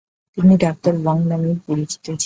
তিনি doctor Wang নামেও পরিচিত ছিলেন।